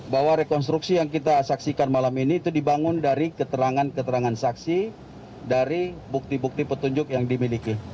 bahwa rekonstruksi yang kita saksikan malam ini itu dibangun dari keterangan keterangan saksi dari bukti bukti petunjuk yang dimiliki